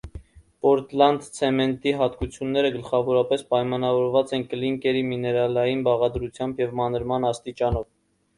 Պորտլանդցեմենտի հատկությունները գլխավորապես պայմանավորված են կլինկերի միներալային բաղադրությամբ և մանրման աստիճանով։